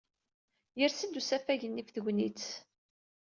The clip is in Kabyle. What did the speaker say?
Yers-d usafag-nni ɣef tegnit.